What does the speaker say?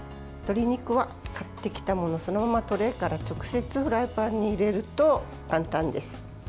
鶏肉は、買ってきたものをそのままトレーから直接フライパンに入れると簡単です。